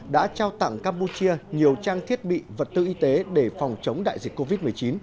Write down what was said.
đã trao tặng campuchia nhiều trang thiết bị vật tư y tế để phòng chống đại dịch covid một mươi chín